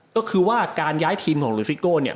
ก็คือว่าการย้ายทีมของหรือฟิโก้เนี่ย